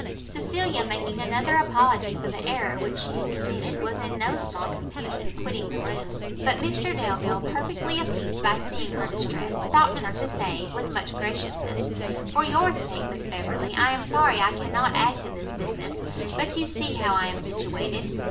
Cecilia, making another apology for the error which she had committed, was in no small confusion, quitting the room; but Mr Delvile, perfectly appeased by seeing her distress, stopt her, to say, with much graciousness, "For your sake, Miss Beverley, I am sorry I cannot act in this business; but you see how I am situated!